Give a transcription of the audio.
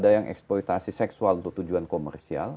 ada yang eksploitasi seksual untuk tujuan komersial